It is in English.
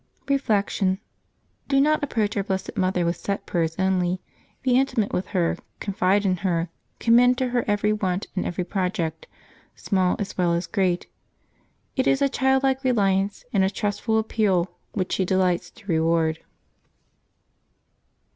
Reflection. — Do not approach our Blessed Mother with set prayers only. Be intimate with her; confide in her; commend to her every want and every project, small as well as great. It is a childlike reliance and a trustful ap peal which she delights to reward.